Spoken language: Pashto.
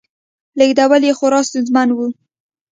لېږدول یې خورا ستونزمن و